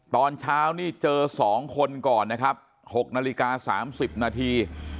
ตอนเช้านี่เจอ๒คนก่อนนะครับ๖นาฬิกา๓๐นาที